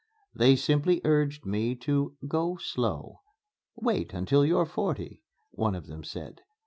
They simply urged me to "go slow." "Wait until you're forty," one of them said.